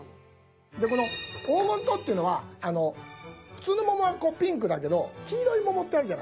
この黄金桃っていうのは普通の桃はピンクだけど黄色い桃ってあるじゃないですか。